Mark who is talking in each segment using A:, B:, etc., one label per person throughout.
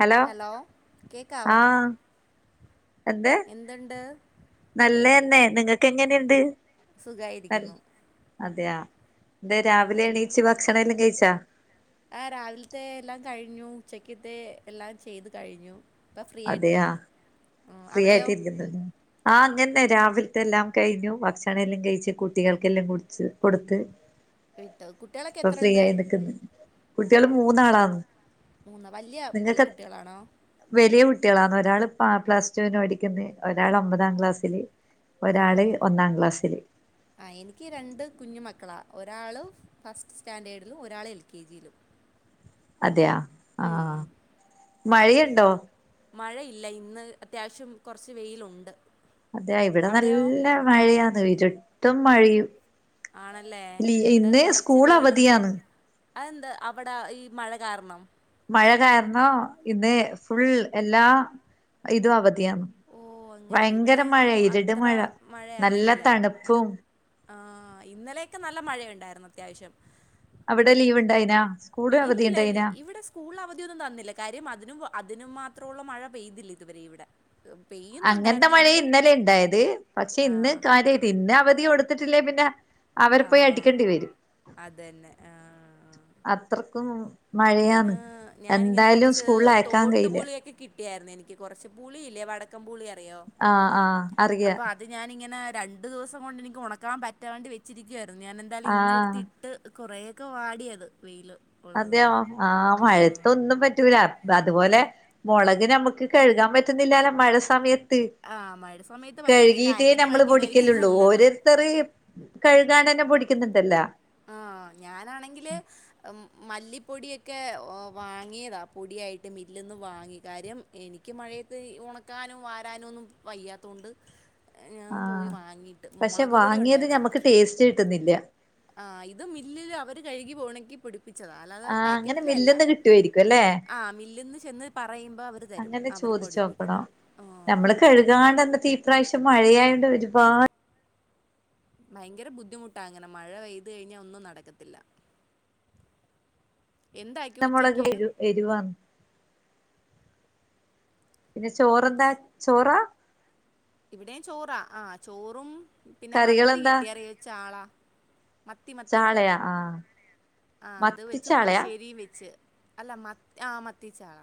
A: Hello
B: കേക്കാവോ
A: ആഹ് എന്ത്
B: എന്തുണ്ട്
A: നല്ലയന്നെ നിങ്ങക്ക് എങ്ങനെയുണ്ട്
B: സുഖായിരിക്കുന്നു
A: അതെയാ എന്തേ രാവിലെ എണീച്ച് ഭക്ഷണം എല്ലാം കഴിച്ചാ
B: ആഹ് രാവിലത്തെ എല്ലാം കഴിഞ്ഞു ഉച്ചക്കത്തെ എല്ലാം ചെയ്ത് കഴിഞ്ഞു ഇപ്പം ഫ്രീ
A: അതെയാ
B: ആയിട്ടിരിക്കുന്നു. ഉം,
A: ഫ്രീ
B: അവിടെയോ
A: ആയിട്ടിരിക്കുന്നല്ലോ ആഹ് അങ്ങനന്നെ രാവിലത്തെ എല്ലാം കഴിഞ്ഞു ഭക്ഷണം എല്ലാം കഴിച്ച് കുട്ടികൾക്കെല്ലാം കുടിച്ച് കൊടുത്ത്
B: വിട്ട കുട്ടികളൊക്കെ
A: ഇപ്പൊ
B: എത്ര ഉണ്ട്
A: [unintelligible] കുട്ടികള് മൂന്നാളാണ്
B: മൂന്ന് വല്യയ കുട്ടികളാണോ
A: വലിയ കുട്ടികളാണ് ഒരാള് പ പ്ലസ് റ്റുവിന് പഠിക്ക്ന്ന് ഒരാള് ഒമ്പതാം ക്ലാസ്സില് ഒരാള് ഒന്നാം ക്ലാസ്സില്
B: ആഹ് എനിക്ക് രണ്ട് കുഞ്ഞു മക്കളാ ഒരാള് ഫസ്റ്റ് സ്റ്റാൻഡേഡിലും ഒരാൾ എൽ കെ ജിയിലും
A: അതെയ
B: ഉം.
A: ആഹ് മഴയുണ്ടോ
B: മഴയില്ല ഇന്ന് അത്യാവശ്യം കുറച്ച് വെയിലുണ്ട്
A: അതെയ ഇവിടെ
B: അവിടെയോ
A: നല്ല മഴയാന്ന് ഇരുട്ടും മഴയും
B: ആണല്ലേ
A: ലീ
B: ഇവിടെ
A: ഇന്ന്
B: കൊറച്ച്
A: സ്കൂൾ
B: വെയിലുണ്ട്
A: അവധിയാന്ന്
B: അതെന്താ അവിടെ ഈ മഴ കാരണം
A: മഴ കാരണം ഇന്ന് ഫുൾ എല്ലാ ഇതും അവധിയാണ്.
B: ഓ അങ്ങനെ ഇവിടെ
A: വയങ്കര മഴ
B: എങ്ങും
A: ഇരുട്
B: അത്ര
A: മഴ നല്ല തണുപ്പും
B: ആഹ് ഇന്നലെയക്കെ നല്ല മഴയുണ്ടായിരുന്നു അത്യാവശ്യം
A: അവിടെ ലീവ് ഉണ്ടായിനാ സ്കൂള് അവധി
B: ഇല്ലില്ല ഇല്ല
A: ഉണ്ടായിനാ
B: ഇവിടെ സ്- കൂൾ അവധിയൊന്നും തന്നില്ല കാര്യം അതിനും അതിനും മാത്രമുള്ള മഴ പെയ്തില്ല ഇതുവരെ ഇവിടെ
A: അങ്ങനത്തെ മഴ
B: പെയ്യുന്നുണ്ടായിരുന്നെങ്കിലും
A: ഇന്നലെ ഉണ്ടായത് പക്ഷെ ഇന്ന്
B: ആ
A: കാര്യമായിട്ട ഇന്ന് അവധി കൊടുത്തിട്ടില്ലേ പിന്നെ അവരെ
B: ആ
A: പോയി അടിക്കേണ്ടി വരും
B: അതന്നെ ആ
A: അത്രക്കും
B: ഇന്ന്
A: മഴയാന്ന്
B: ഞാനിങ്ങനെ
A: എന്തായാലും
B: കൊറച്ച്
A: സ്കൂളിൽ അയക്കാൻ കഴിയില്ല
B: തോട്ടുപുളിയൊക്കെ കിട്ടി കിട്ടിയായിരുന്നു എനിക്ക് കുറച്ച് പുളിയില്ലേ വടക്കം പുളി അറിയോ
A: ആഹ് ആഹ് അറിയ
B: അപ്പൊ അത് ഞാനിങ്ങനെ രണ്ട ദിവസം കൊണ്ട് എനിക്ക് ഉണക്കാൻ പറ്റാണ്ടി വെച്ചിരിക്കുവായിരുന്നു ഞാൻ എ ന്താലും ഇന്ന
A: ആഹ്
B: എടുത്തി ഇട്ട് കൊറെയൊക്കെ വാടിയത് വെയിയില്
A: അതെയോ ആ മഴത്തൊന്നും പറ്റൂല അതുപോലെ മുളക് നമുക്ക് കഴുകാൻ പറ്റുന്നില്ല മഴ സമയത്ത്
B: ആ മഴ സമയത്ത് പറ്റില്ല ഈ
A: കഴുകീട്ടേ
B: പാക്കറ്റ്
A: നമ്മള്
B: വാങ്ങിക്കുന്നതായിരിക്കും
A: പൊടിക്കലുള്ളൂ
B: നല്ലത്
A: ഓര് ഇത്രയും കഴുകാ തന്നെ പൊടിക്കുന്നുണ്ടല്ലോ
B: ആ ഞാനാണെങ്കില് മല്ലിപ്പൊടിയൊക്കെ വാങ്ങിയതാ പൊടിയായിട്ട് മില്ലന്ന് വാങ്ങി കാര്യം എനിക്ക് മഴയത്ത് ഉണക്കാനും വാരാനും ഒന്നും വയ്യാത്തൊണ്ട് ഞാൻ പോയി
A: ആഹ്
B: വാങ്ങിയിട്ട് മുളക് പൊടിയുണ്ടായിരുന്നു
A: ന്നില്ല
B: ആഹ് ഇത് മില്ലില് അവര് കഴുകി ഉണക്കി പിടി- പൊടിപ്പിച്ചതാ അല്ലാതെ
A: ആഹ് അങ്ങനെ
B: പാക്കറ്റിലെ അല്ല
A: മില്ല്ന്ന് കിട്ടുവായിരിക്കും അല്ലെ
B: ആ മില്ലിൽ പറയുമ്പോൾ അവർ തരും
A: അങ്ങനെ
B: അവര് പൊഠിപ്പിക്കുന്ന ആഹ്
A: ഏതാണ്ടന്ന തീപ്രാവശ്യം മഴയായണ്ട് ഒരുപാ-
B: ഭയങ്കര ബുദ്ധിമുട്ട അങ്ങനെ മഴ പെയ്തു കഴിഞ്ഞാൽ ഒന്നും നടക്കത്തില്ല എന്താക്കി
A: മുളക്
B: ഉച്ചക്ക്
A: എരു എരുവാന്ന് പിന്നെ ചോർ
B: ഉച്
A: എന്താ ചോറ
B: ഇവിടെയും ചോറാ ആഹ് ചോറും പിന്നെ മത്തി
A: കറികളെന്താ
B: കിട്ടിയറിയച്ച ആളാ മത്തി മത്തി
A: ചാളയാ ആഹ്
B: ആഹ അത് വെച്ച്
A: മത്തിച്ചാളയാ
B: പുളിശ്ശേരിയും വെച്ച് അല്ല മ ആഹ മത്തിച്ചാള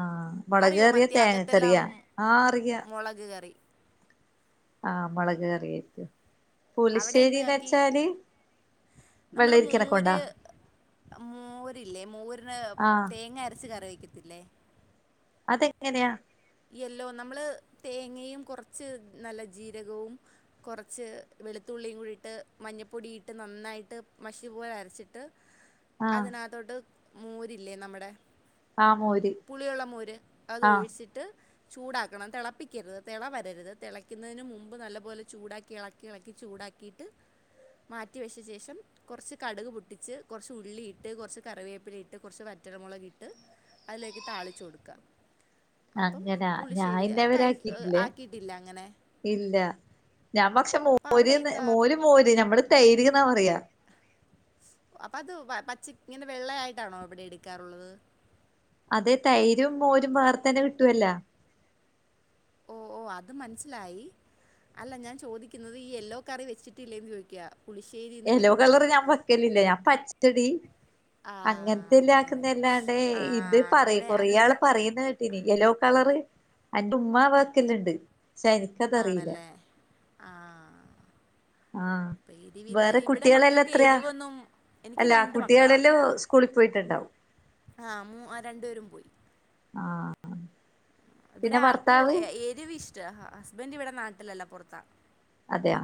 A: ആഹ
B: അറിയോ
A: വടകയറിയാ
B: മത്തി
A: തേങ്ങ
B: അകത്തെല്ലാം
A: കറിയാ ആഹ അറിയാ
B: മുളക് കറി
A: ആഹ മുളക് കറിയറ്റു
B: അവിടെ എന്ത്
A: പുലിശ്ശേരിന്ന്
B: ആക്കി
A: വെച്ചാല്
B: നമ്മള്
A: വെള്ളരിക്കനെ
B: മൂര്
A: കൊണ്ടാ
B: മോരില്ലേ മോരിന്
A: ആഹ്
B: തേങ്ങ അരച്ച് കറിവക്കത്തില്ലേ
A: അതെങ്ങനെയാ
B: യല്ലോ നമ്മള് തേങ്ങയും കുറച്ച് നല്ല ജീരകവും കുറച്ച് വെളുത്തുള്ളിയും കൂടിയിട്ട് മഞ്ഞൾപ്പൊടിയിട്ട് നന്നായിട്ട് മഷി പോലെ അരച്ചിട്ട്
A: ആഹ്
B: അതിനകത്തോട്ട് മോരില്ലേ നമ്മുടെ
A: ആഹ് മോര്
B: പുളിയുള്ള മോര്
A: ആഹ്
B: അതൊഴിച്ചിട്ട് ചൂടാക്കണം തിളപ്പിക്കരുത് തിള വരരുത് തിളക്കുന്നതിന് മുമ്പ് നല്ലപോലെ ചൂടാക്കി ഇള ക്കി കളക്കി ചൂടാക്കിയിട്ട് മാറ്റിവെച്ച ശേഷം കുറച്ച് കടുക് പൊട്ടിച്ച് കുറച്ച് ഉള്ളിയിട്ട് കുറച്ച് കറിവേപ്പില ഇട്ട് കുറച്ച് വറ്റൽ മുളക ഇട്ട് അതിലേക്ക് താളിച്ചു കൊടുക്കുക അപ്പം
A: അങ്ങനാ ഞ
B: പുളിശ്ശേരി അത് കഴി
A: ഇന്നവരാക്കിട്ടില്ലേ
B: ആക്കിയിട്ടില്ല അങ്ങനെ
A: ഇല്ല ഞാൻ പക്ഷെ
B: അപ്പം
A: മോര്
B: അവിടെ എന്താ
A: മോര് മോര് നമ്മൾ തൈര് എന്നാ പറയാ
B: അപ്പ അത് പച്ച ഇങ്ങനെ വെള്ളയായിട്ടാണോ എവിടെ എടുക്കാറുള്ളത്
A: അതെ തൈരും മോരും വേർത്തന്നെ കിട്ടുവല്ല
B: ഓ ഓ അത് മനസ്സിലായി അല്ല ഞാൻ ചോദിക്കുന്നത് ഈ യെല്ലോ കറി വെച്ചിട്ടില്ലന്ന് ചോദിക്കുക പുളിശ്ശേരി
A: യെല്ലോ കളറ് ഞാൻ വെക്കലില്ലേ ഞാൻ പച്ചടി
B: ആ
A: അങ്ങനത്തെല്ല
B: അങ്ങനെ
A: ആക്കുന്നല്ലാണ്ട്
B: ആ
A: ഇത് പറയും
B: അങ്ങനെ
A: കൊറേ
B: അങ്ങനെ
A: ആള് പറയുന്ന കേ യെല്ലോ കളറ് അന്റെ ഉമ്മാ വക്കല്ലുണ്ട് ശ
B: ആണല്ലേ ആ
A: ആഹ
B: അപ്പം എരിവില്ല
A: വേറെ
B: ഇവിടെ
A: കുട്ടികളെല്ലാം
B: മക്കൾക്ക്
A: എത്രയാ
B: എരിവൊന്നും എനിക്ക്
A: അല്ല
B: രണ്ട് മക്കളാ
A: കുട്ടികളെല്ലാം സ്കൂളിൽ പോയിട്ടുണ്ടാവും
B: ആഹ് മ രണ്ടു പേരും പോയി
A: ആഹ്
B: ഇവിടെ
A: പിന്നെ
B: ആൾക്ക്
A: ഭർത്താവ്
B: ഏരിവ് ഇഷ്ടം ഹസ്ബൻഡ് ഇവിടെ നാട്ടിലല്ല പുറത്താ
A: അതെയ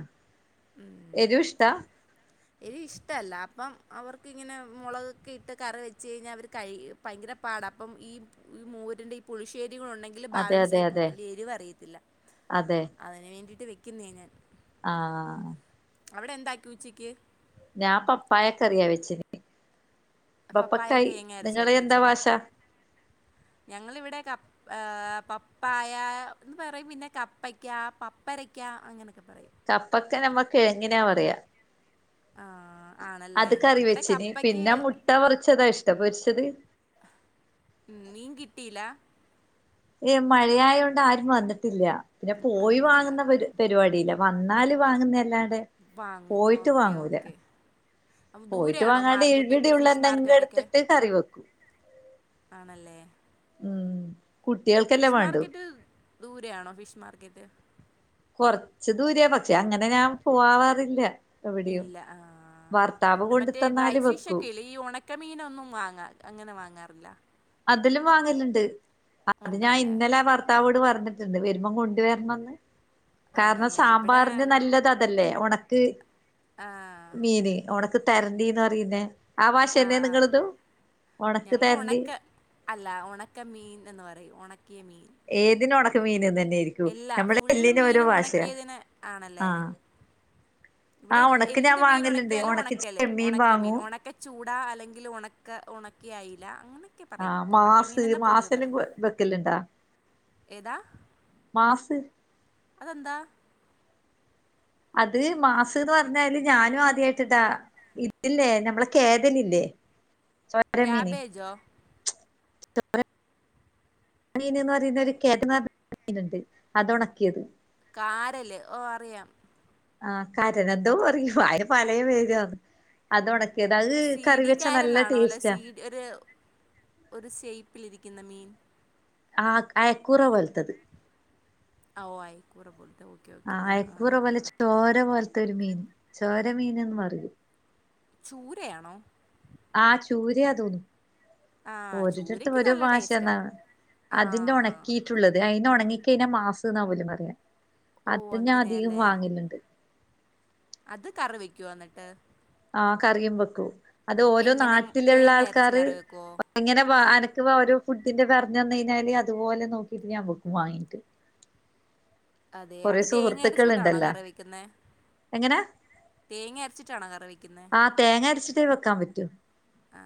B: ഉം
A: എരുഷ്ട്ട
B: ഇ ഇഷ്ടമല്ല അപ്പം അവർക്ക്ങ്ങനെ മുളകൊക്കെ ഇട്ട് കറി വെച്ച് കഴിഞ്ഞാൽ അവർ കഴി ഭയങ്കര പാട അപ്പം ഈ ഈ മൂരിൻ്റെ ഈ പുളിശ്ശേരികൾ ഉണ്ടെങ്കിൽ
A: അതെ
B: ബാലൻസ്
A: അതെ
B: ആയി പോക
A: അതെ
B: അല്ല എരിവ്റിയല്ല
A: അതെ
B: അതിന് വേണ്ടിട്ട് വെക്കുന്നേ ഞാൻ
A: ആഹ്
B: അവിടെ എന്താക്കി ഉച്ചയ്ക്ക്
A: ഞാൻ പപ്പായ കറിയാ വെച്ചന്
B: പപ്പായ
A: പപ്പക്കായി
B: തേങ്ങ അരച്ച്
A: നിങ്ങള് എന്താ ഭാശ
B: ഞങ്ങൾ ഇവിടെക്ക പപ്പായ എന്ന് പറയും പിന്നെ കപ്പയ്ക്ക പപ്പരയ്ക്ക അങ്ങനെയൊക്കെ പറയും
A: കപ്പക്ക നമ്മൾ കിയങ്ങിനാ പറയാ
B: ആഹ്
A: അത് കറി വെച്ചന് പിന്നെ മുട്ട വറച്ചതാ ഇഷ്ടപൊരിച്ചത്
B: മീൻ കിട്ടീലേ
A: ഏ മഴയായ കൊണ്ട് ആരും വന്നിട്ടില്ല പിന്നെ പോയി
B: വന്നില്ല
A: വാങ്ങുന്ന പ പരിപാടി ഇല്ല വന്നാല് വാങ്ങുന്ന അല്ലാണ്ട് പോയിട്ട് വാങ്ങൂല
B: അ
A: പോയിട്ട്
B: ദൂരെയാണോ
A: വാങ്ങാണ്ട്
B: മാർക്കറ്റ് ഒക്കെ
A: ഇവിടെയുള്ള
B: ഫിഷ്
A: എന്തെങ്കിലും
B: മാർക്കറ്റ് ഒക്കെ
A: എടുത്തിട്ട് കറി വെക്കും
B: ആണല്ലേ
A: ഉം കുട്ടികൾക്കല്ലാം വാണ്ടു
B: ദൂരെ ആണോ ഫിഷ് മാർക്കറ്റ്
A: കൊറച്ച് ദൂര പക്ഷെ അങ്ങനെ ഞാൻ പോവാവാറില്ല എവിടെയും
B: ഇല്ല ആ
A: ഭർത്താവ് കൊണ്ട്
B: മറ്റേ ഡ്രൈ
A: തന്നാല് വെക്കൂ
B: ഫിഷൊക്കെ ഇല്ലേ ഈ ഉണക്കമീനൊന്നും വാങ്ങാ അങ്ങനെ വാങ്ങാറില്ല
A: അതിലും വാങ്ങലണ്ട് അത്
B: ഉണ്ടോ
A: ഞാൻ
B: അല്ലേ
A: ഇന്നലൊ വർ ഭത്താവോട് പറഞ്ഞിട്ടുണ്ട് വരുമ്പോം കൊണ്ട വരണന്ന് കാരണം
B: ആണല്ലേ ഇവിടെ
A: സാമ്പാറിന് നല്ലത് അതല്ലേ ഉണക്ക്
B: ആ
A: മീന് ഒണക്ക് തരണ്ടിന്ന് പറയുന്നേ ആ വാശന്നെയ നിങ്ങളെതും ഉണക്ക്
B: ഞങ്ങൾ
A: തരണ്ടി
B: ഉണക്ക അല്ല ഉണക്ക മീൻ എന്ന് പറയും ഉണക്കിയ മീൻ
A: ഏതിനും ഒണക്ക് മീൻന്ന് തന്നെയായിരിക്കും
B: ഇല്ലാ
A: നമ്മളെ
B: ഫുള്ള
A: എല്ലിന്
B: മീൻ
A: ഓരോ ഭാഷയാ
B: ഉണക്കിയതിന് ആണല്ലേ
A: ആഹ് ആ
B: ഇവിടെ എ
A: ഒണക്ക് ഞാൻ
B: എന്ത് മീൻ
A: വാങ്ങല്ണ്ട്
B: ഉണക്കിയാലും
A: ഒണക്ക്
B: ഉണക്കല്
A: ചെമ്മീൻ
B: ഉണക്കമീൻ
A: വാങ്ങും
B: ഉണക്ക ചൂടാ അല്ലെങ്കിൽ ഉണക്ക ഉണക്കി അയില്ല അങ്ങനെ
A: ആഹ് മാസ് മാസനും വെക്കല ഇണ്ടാ
B: ഏതാ
A: മാസ്
B: അതെന്താ
A: അത് മാസ് എന്ന് പറഞ്ഞാല് ഞാനും ആദ്യമായിട്ടിടാ ഇത്ല്ലേ നമ്മളെ കേദലില്ലേ
B: കാബേജാ
A: ചോ മീൻന്ന് പറയുന്ന ഒരു [unintelligible] മീൻണ്ട് അത് ഉണക്കിയത്
B: കാരല് ഓ അറിയാം
A: ആ കരന എന്തോ പറു ആയിൻ പലോപേര്ന്ന് അത് ഉണക്കിയത് അങ്ങ്
B: സി
A: കറി
B: ഡി
A: വെച്ചാ നല്ല
B: കാരലാണോ അല്ല
A: ടേസ്റ്റാ
B: സി ഒരു ഒരു ഷേപ്പിലിരിക്കുന്ന മീൻ
A: ആ അയക്കൂറ പോലത്തത്
B: ഓ ആയിക്കൂറ പോലെത്തെ
A: ആഹ അയക്കൂറ പോലെ ചോര പോലത്തെ ഒരു മീൻ ചോര മീനന്ന് പറയും
B: ചൂരയാണോ
A: ആഹ് ചൂരയാ തോന്നുന്നു
B: ആ
A: ഒരിടത്ത്
B: ചൂരയ്ക്ക്
A: ഒരു
B: നല്ല ടേസ്റ്റാ
A: ഭാഷന്നാണ്
B: ആ
A: അതിന്റെ ഉണക്കി ട്ടുള്ളത് അയിനെ ഉണങ്ങിക്കയിഞ്ഞ മാസ് എന്നാ ഇവൽ പറയ
B: ഓ
A: അത് ഞാൻ അധികം
B: അങ്ങനെയല്ലേ
A: വാങ്ങലുണ്ട്
B: അത് കറി വെക്കുവേ എന്നിട്ട്
A: ആ കറിയും വെക്കൂ അത് ഓരോ
B: എങ്ങനെ
A: നാട്ടിലുള്ള
B: തേങ്ങ അരച്ച്
A: ആൾക്കാര്
B: കറി വെക്കുവോ
A: എങ്ങനെ വാ അനക്ക് ഓര് ഫുഡിന്റെ പറഞന്ന് കയിഞാല് അതുപോലെ നോക്കിട്ട് ഞാൻ വെക്കും വാങ്ങീട്ട്
B: അതെ
A: കൊറേ
B: അത് തേങ്ങ
A: സുഹൃത്തുക്കൾ
B: അരച്ചിട്ടാണോ
A: ഉണ്ടല്ലോ
B: കറി വെക്കുന്ന
A: എങ്ങനെ
B: തേങ്ങ അരച്ചിട്ടാണോ കറി വക്കുന്നത്
A: ആ തേങ്ങ അരച്ചിട്ടേ വെക്കാൻ പറ്റോ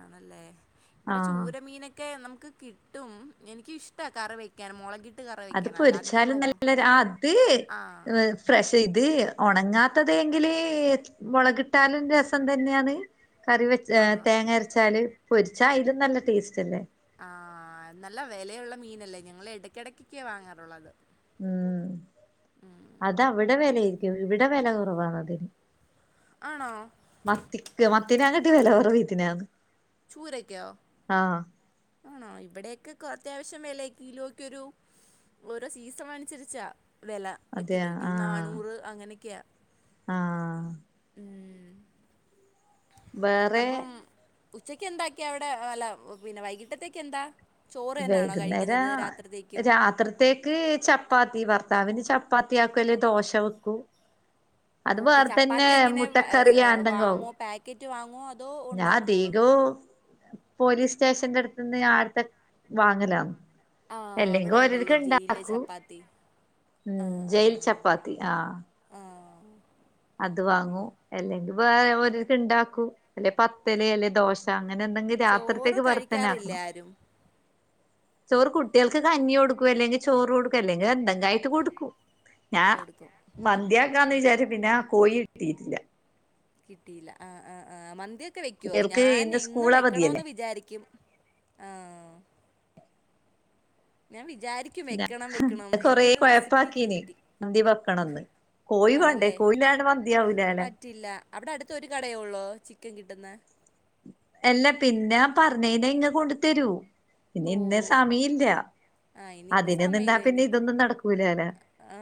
B: ആണല്ലേ ഇവിടെ ചൂരമീനൊക്കെ നമുക്ക് കിട്ടും എനിക്ക ഇഷ്ട കറി വെ ക്കാൻ മുളക ഇട്ട് കറി
A: അത്
B: വെക്കാൻ അല്ലാതെ നമ്മൾ
A: പൊരിച്ചാലും
B: ഓ
A: നല്ല അഹ് അത്
B: ആ
A: ഫഷേ ഇത് ഉണങ്ങാത്തതെങ്കില് മുളക് ഇട്ടാലും രസം തന്നെയാണ് കറി വെച്ച
B: ആ
A: തേങ്ങ അരച്ചാല് പൊരിച്ചാ അയിലും നല്ല ടേസ്റ്റ് അല്ലേ
B: ആഹ് നല്ല വിലയുള്ള മീനല്ലേ ഞങ്ങള് ഇടയ്ക്കിടക്കൊക്കാണ് വാങ്ങാറുള്ളത്
A: ഉം അത അവിടെ വിലയിരിക്കും ഇവിടെ വില കുറവാണ് അതിന്
B: ആണോ?
A: മത്തിക്ക് മത്തിനെ കാട്ടിലും വില കുറവ് ഇത്തിനാണ്.
B: ചൂരക്കോ?
A: ആഹ്.
B: ആണോ? ഇവിടെയൊക്കെ അത്യാവശ്യം വില കിലോക്കൊരു ഓരോ സീസണനുസരിച്ചാ വെല
A: അതെയ
B: കിലോക്ക്.
A: ആഹ്
B: ന്നാനൂറ് അങ്ങനെയൊക്കെയാ.
A: ആഹ്.
B: ം
A: വേറെ
B: അപ്പം ഉച്ചക്ക് എന്താക്കിയാ അവിടെ അല്ല പിന്നെ വൈകീട്ടത്തേക്കെന്താ? ചോറ് തന്നെയാണോ കഴിക്കുന്നത് രാത്രിത്തേക്കും?
A: ത്തേക്ക് ചപ്പാത്തി ഭർത്താവിന് ചപ്പാത്തിയാക്കും അല്ലെ ദോശ വെക്കും. അത്
B: ഓക്കെ
A: വേർതന്നെ
B: ചപ്പാത്തി എങ്ങനെ വ- സ്-
A: മുട്ടക്കറിയാ എന്തെങ്കും ആവും.
B: വാങ്ങുവോ പാക്കറ്റ് വാങ്ങുവോ അതോ ഉണ്ടാക്കുവോ
A: ഞാദീകവും.. പോലീസ്റ്റേഷന്റെ അടുത്ത്ന്ന് ആട്ത്തെ വാങ്ങലാന്ന്..
B: ആ
A: അല്ലെങ്കി
B: അവിടെ ഉണ്ടല്ലോ
A: ഓരക്ക
B: ജയിലിലെ
A: ഉണ്ടാക്കൂം
B: ചപ്പാത്തി
A: ം ജയിൽ ചപ്പ പ്പാത്തി ആഹ്
B: ആഹ്.
A: അത് വാങ്ങൂ അല്ലെങ്കിൽ വേറെ ഒര്ക്ക്ണ്ടാക്കൂം അല്ലെ പത്തല് അല്ലെ ദോശ.. ശ അങ്ങനെന്തെങ്കിലും
B: ചോറ്
A: രാത്രിത്തേക്ക് വർത്തന
B: കഴിക്കാറില്ല
A: ആക്കണം.
B: ആരും
A: ചോറ് കുട്യോൾക്ക് കഞ്ഞി കൊടുക്കും അല്ലെങ്കിൽ ചോറ് കൊടുക്കും അല്ലെങ്കി എന്തെങ്കി ആയി കൊടുക്കും ഞാൻ
B: കൊടുക്കും
A: മന്ത്യാക്കാന്ന് വിചാരിച്ചു പിന്നെ ആ കോഴി കിട്ടീട്ടില്ല.
B: കിട്ടീല്ല ആ ആഹ് ആഹ് മന്തി ഒക്കെ വെക്കോ?
A: കുട്ടികൾക്ക്
B: ഞാൻ
A: ഇന്ന്
B: എന്നും
A: സ്കൂൾ
B: വെക്കണോന്ന്
A: അവധിയല്ലേ
B: വിചാരിക്കും. ആഹ് ഞാൻ വിചാരിക്ക
A: കൊറേ കൊഴപ്പാക്കീന്
B: കിട്ടി
A: മന്തി വെക്കണൊന്ന് കോഴി വാണ്ടേ
B: ആണല്ലേ
A: കോഴില്ലാണ്ട് മന്ത്യാവൂലാല.
B: പറ്റില്ല അവിടെ അടുത്തൊരു കടേയൊള്ളൂ ചിക്കൻ കിട്ടുന്ന്?
A: അല്ല പിന്നെ പറഞ്ഞൈന ഇങ്ങ് കൊണ്ട് തരൂം പിന്നെ
B: ഓ
A: ഇന്ന് സമീല്ല.
B: ആ ഇനിയിപ്പോൾ
A: അതിന നിന്നാ
B: സമയമില്ല
A: പിന്നെ
B: ഇനിയിപ്പോൾ
A: ഇതൊന്നും നടക്കൂലാലോ.
B: ആ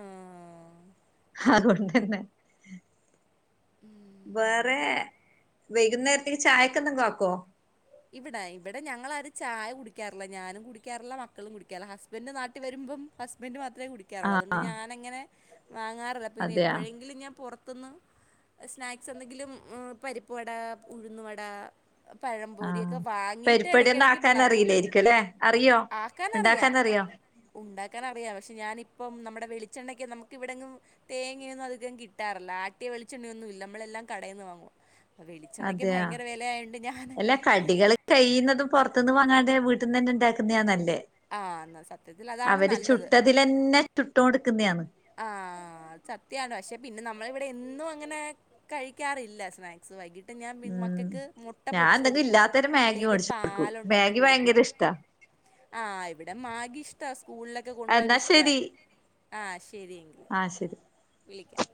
A: അതോണ്ടന്നെ.
B: ം
A: വേറെ വൈകുന്നേരത്തേക്ക് ചായക്ക എന്തെങ്കും ആക്കോ?
B: ഇവിടെ ഇവിടെ ഞങ്ങളാരും ചായ കുടിക്കാറില്ല ഞാനും കുടിക്കാറില്ല മക്കളും കുടിക്കാറില്ല ഹസ്ബൻഡ് നാട്ടിൽ വരുമ്പം ഹസ്ബൻഡ് മാത്രെ കുടിക്കാറുള്ളൂ അതുകൊണ്ട് ഞാനങ്ങനെ വാങ്ങാറില്ല പിന്നെ
A: അതെയാ
B: എപ്പോഴെങ്കിലും ഞാൻ പുറത്ത്ന്ന് സ്നാക്സെന്തെങ്കിലും പരിപ്പുവട, ഉഴന്നുവട, പഴം.....
A: ആഹ്
B: ലൊക്കെ വാങ്ങീട്ട്
A: പരിപ്പടി ഒന്നും
B: ഇടക്കിടക്ക്
A: ആക്കാൻ
B: പിള്ളേർക്ക് കൊടുക്കും.
A: അറിയില്ലായിരിക്കുംല്ലേ അറിയോ
B: ആക്കാൻറിയാം..
A: ഇണ്ടാക്കാൻ അറിയോ
B: ഉണ്ടാക്കനറിയാം പക്ഷെ ഞാനിപ്പം നമ്മുടെ വെളിച്ചെണ്ണക്കെ നമുക്ക് ഇവിടെങ്ങും തേങ്ങെയൊന്നും അതികം കിട്ടാറില്ല ആട്ടിയ വെിച്ചണ്ണൊന്നും ഇല്ല നമ്മളെല്ലാം കടയിന്ന് വാങ്ങും. വളിച്ചെണ്ണയ്ക്ക് ഭയങ്കര വിലയായോണ്ട് ഞാനങ്ങനെ
A: കള് കഴിയുന്നതും പുറത്തുനിന്ന് വാങ്ങതെ വീട്ടിന്ന് തന്നെ ഉണ്ടാക്കുന്നതാ നല്ലേ.
B: ആഹ് ന്നാ സത്യത്തിലതാണ് നല്ലത്.
A: ന്നെ ചുട്ടോണ്ട്ക്കുന്നെയാണ്.
B: ആഹ് സത്യാണ് പക്ഷെ പിന്നെ നമ്മളിവിടെ എന്നും അങ്ങനെ കഴിക്കാറില്ല സ്ന വൈകിട്ട് ഞാൻ
A: ഉം
B: മക്കയ്ക്ക് മുട്ട
A: ഞാൻ
B: പൊരിച്ച്
A: എന്തെങ്കിലും
B: കൊടുക്കും
A: ഇല്ലാത്തരം
B: അല്ലെങ്കൽ പാലുണ്ടാക്കി കൊടുക്കും.
A: ത
B: ആഹ് ഇവിടെ മാഗി ഇഷ്ടാ സ്കൂളിലൊക്കെ കൊണ്ടു പോകൻ
A: എന്നാ
B: ഇഷ്ട ആഹ് ശരിയങ്കില..
A: ആ ശരി
B: വിളിക്കാം